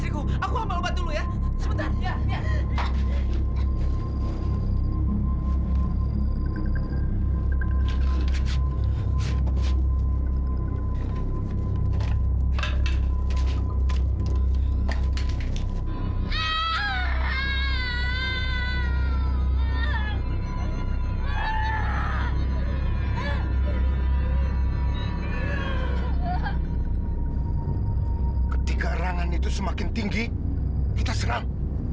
ketika rangan itu semakin tinggi kita serang